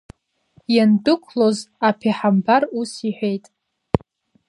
Иандәықәлоз аԥеҳамбар ус иҳәеит…